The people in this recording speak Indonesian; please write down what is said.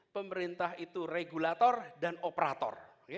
pemerintah itu regulator dan operator